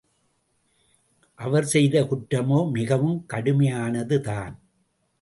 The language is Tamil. அவர் செய்த குற்றமோ மிகவும் கடுமையானதுதான்.